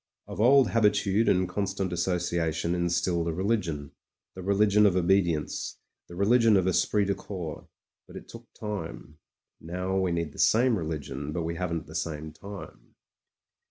Of old habitude and constant associa tion instilled a religion — the religion of obedience, the religion of esprit de corps. But it took time. Now we need the same religion, but we haven't the same time.